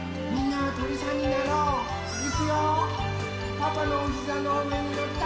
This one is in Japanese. パパのおひざのうえにのった？